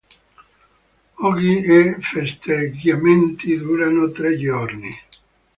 Oggi i festeggiamenti durano tre giorni.